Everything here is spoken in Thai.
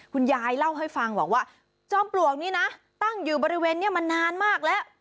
คุณยายเล่าให้ฟังบอกว่าจอมปลวกนี้นะตั้งอยู่บริเวณนี้มานานมากแล้ว